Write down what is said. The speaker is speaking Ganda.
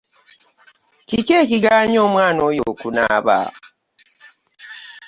Kiki ekigaanyi omwana oyo okunaaba?